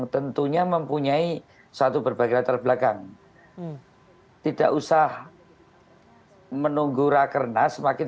dalam memahami langkah langkah ini